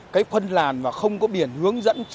cái phân làn và không có biển hướng dẫn